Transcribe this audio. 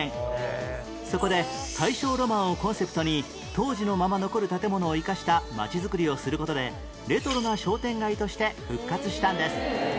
そこで大正ロマンをコンセプトに当時のまま残る建物を生かした街づくりをする事でレトロな商店街として復活したんです